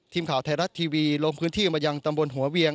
ทีมข่าวไทยรัฐทีวีลงพื้นที่มายังตำบลหัวเวียง